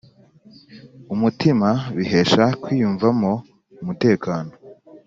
umutima bihesha kwiyumvamo umutekano